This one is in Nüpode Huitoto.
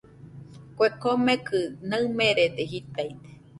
Kue komekɨ naɨmerede jitaide.